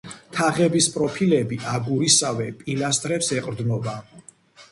თაღების პროფილები აგურისავე პილასტრებს ეყრდნობა.